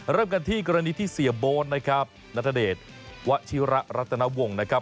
เริ่มกันที่กรณีที่เสียโบ๊ทนะครับณเดชวชิระรัตนวงนะครับ